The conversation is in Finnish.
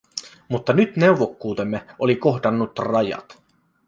Mutta nyt neuvokkuutemme oli kohdannut rajat.